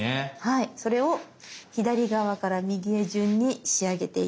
それを左側から右へ順に仕上げていきます。